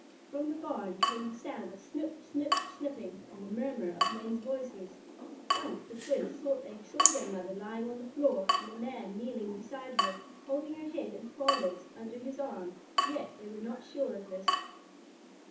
From the barn came the sound of snip snip snipping and the murmur of men's voices. Once the twins thought they saw their mother lying on the floor and a man kneeling beside her, holding her head and forelegs under his arm, yet they were not sure of this.